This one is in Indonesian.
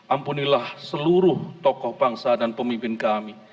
ampunilah seluruh tokoh bangsa dan pemimpin kami